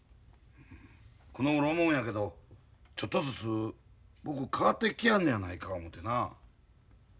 このごろ思うんやけどちょっとずつ僕変わってきやんのやないか思てな。